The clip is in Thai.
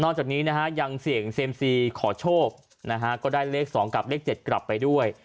จากนี้นะฮะยังเสี่ยงเซียมซีขอโชคนะฮะก็ได้เลข๒กับเลข๗กลับไปด้วย